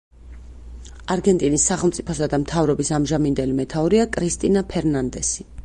არგენტინის სახელმწიფოსა და მთავრობის ამჟამინდელი მეთაურია კრისტინა ფერნანდესი.